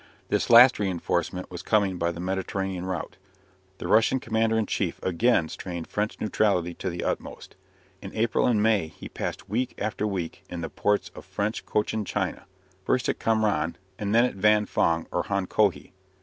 This last reinforcement was coming by the Mediterranean route. The Russian commander in chief again strained French neutrality to the utmost. In April and May he passed week after week in the ports of French Cochin China, first at Kamranh and then at Van Fong or Honkohe.